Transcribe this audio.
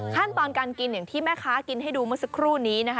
ขั้นตอนการกินอย่างที่แม่ค้ากินให้ดูเมื่อสักครู่นี้นะคะ